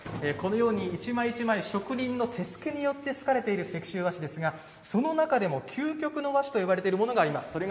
このように１枚１枚職人の手すきによってすかれている石州和紙ですがその中でも究極の和紙といわれているものがあります。